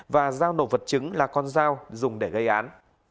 và giao nổ vật chứng là con dao dùng để gây án